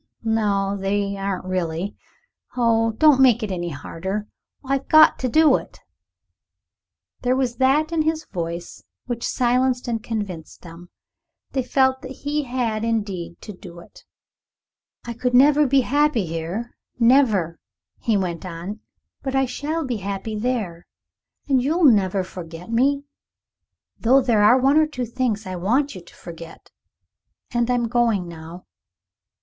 No, they aren't really! Oh, don't make it any harder. I've got to do it." There was that in his voice which silenced and convinced them. They felt that he had, indeed, to do it. "I could never be happy here never," he went on; "but I shall be happy there. And you'll never forget me, though there are one or two things I want you to forget. And I'm going now."